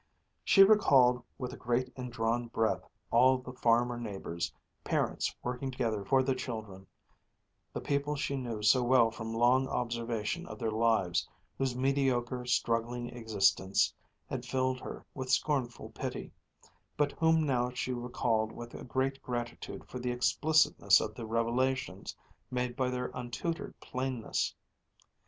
She recalled with a great indrawn breath all the farmer neighbors, parents working together for the children, the people she knew so well from long observation of their lives, whose mediocre, struggling existence had filled her with scornful pity, but whom now she recalled with a great gratitude for the explicitness of the revelations made by their untutored plainness.